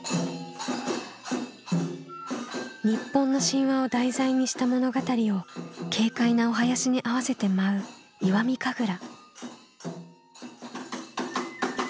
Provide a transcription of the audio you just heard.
日本の神話を題材にした物語を軽快なお囃子に合わせて舞う石見神楽。